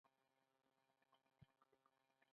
کېله د بدو احساساتو ضد ده.